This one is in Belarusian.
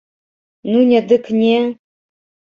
Ну не дык не.